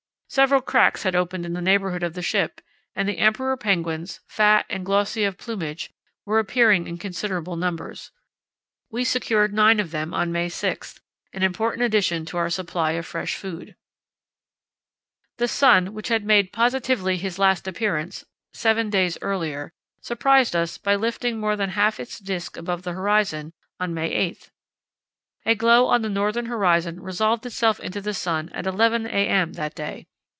Several cracks had opened in the neighbourhood of the ship, and the emperor penguins, fat and glossy of plumage, were appearing in considerable numbers. We secured nine of them on May 6, an important addition to our supply of fresh food. The sun, which had made "positively his last appearance" seven days earlier, surprised us by lifting more than half its disk above the horizon on May 8. A glow on the northern horizon resolved itself into the sun at 11 a.m. that day.